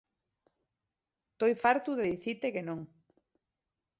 Toi fartu de dicite que non.